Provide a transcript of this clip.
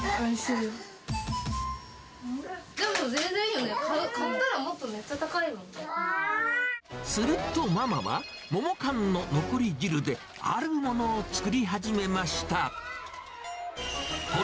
でも全然いいよね、買ったらするとママは、桃缶の残り汁であるものを作り始めました。